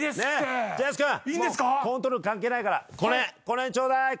じゃあやす君コントロール関係ないからこの辺ちょうだい。